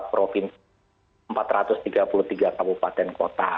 tiga puluh empat provinsi empat ratus tiga puluh tiga kabupaten kota